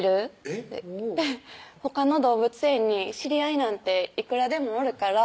って「ほかの動物園に知り合いなんていくらでもおるから」